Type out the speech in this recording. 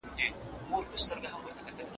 ¬ ميره مي نه ليده، تر مور مينه.